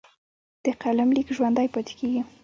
د قلم لیک ژوندی پاتې کېږي.